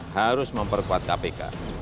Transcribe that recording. harus memperkuat kpk